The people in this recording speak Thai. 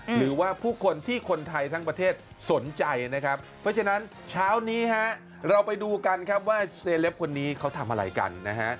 หรือว่าผู้คนที่คนไทยทั้งประเทศสนใจนะครับเพราะฉะนั้นเช้านี้ฮะเราไปดูกันครับว่าเซเลปคนนี้เขาทำอะไรกันนะฮะ